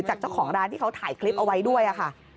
จากเจ้าของร้านที่เขาถ่ายคลิปเอาไว้ด้วยค่ะ